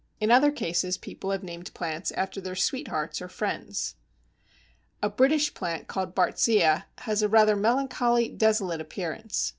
In other cases people have named plants after their sweethearts or friends. A British plant called Bartzia has a rather melancholy, desolate appearance.